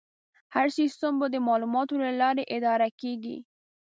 هر سیستم به د معلوماتو له لارې اداره کېږي.